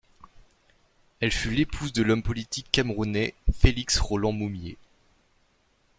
Elle fut l'épouse de l'homme politique camerounais Félix-Roland Moumié.